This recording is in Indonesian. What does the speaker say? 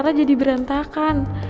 udah aja diberantakan